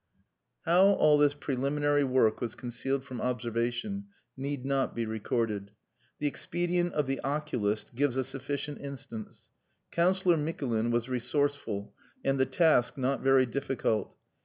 How all this preliminary work was concealed from observation need not be recorded. The expedient of the oculist gives a sufficient instance. Councillor Mikulin was resourceful, and the task not very difficult.